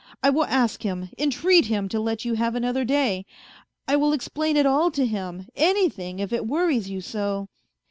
I will ask him entreat him to let you have another day. I will explain it all to him, anything, if it worries you so.